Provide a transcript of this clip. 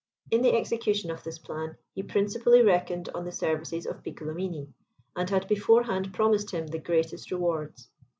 In the execution of this plan, he principally reckoned on the services of Piccolomini, and had beforehand promised him the greatest rewards.